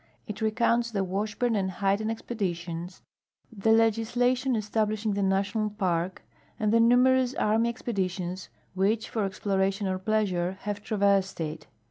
It recounts the Washburn and Hayden expedition.s, the legislation e.stablishing the National Park, and the numerous army expeditions which for exploration or pleasure have traversed it.